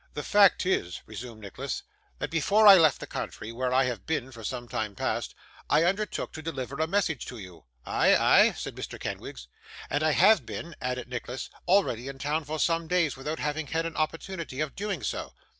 'The fact is,' resumed Nicholas, 'that before I left the country, where I have been for some time past, I undertook to deliver a message to you.' 'Ay, ay?' said Mr. Kenwigs. 'And I have been,' added Nicholas, 'already in town for some days, without having had an opportunity of doing so.